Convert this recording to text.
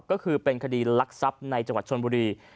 ก็คือเป็นคดีลักทรัพย์ในจังหวัดชนบุรี